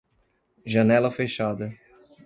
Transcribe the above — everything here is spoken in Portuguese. Janela fechada.